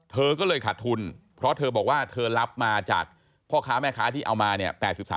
เธอก็เลยขาดทุนเพราะเธอบอกว่าเธอรับมาจากพ่อค้าแม่ค้าที่เอามาเนี่ย